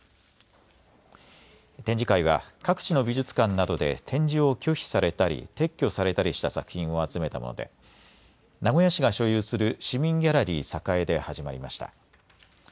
展示会は各地の美術館などで展示を拒否されたり撤去されたりした作品を集めたもので名古屋市が所有する市民ギャラリー栄で始まりました。